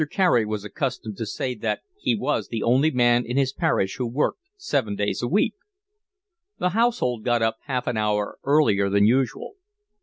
Carey was accustomed to say that he was the only man in his parish who worked seven days a week. The household got up half an hour earlier than usual.